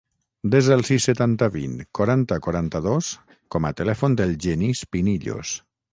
Desa el sis, setanta, vint, quaranta, quaranta-dos com a telèfon del Genís Pinillos.